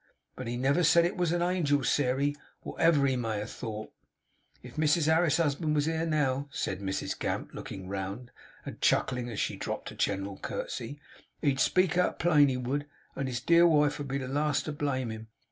But he never said it was a angel's, Sairey, wotever he might have thought." If Mrs Harris's husband was here now,' said Mrs Gamp, looking round, and chuckling as she dropped a general curtsey, 'he'd speak out plain, he would, and his dear wife would be the last to blame him!